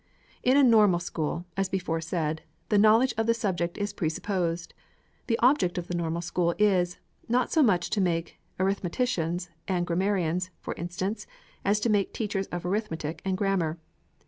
In a Normal School, as before said, the knowledge of the subject is presupposed. The object of the Normal School is, not so much to make arithmeticians and grammarians, for instance, as to make teachers of arithmetic and grammar.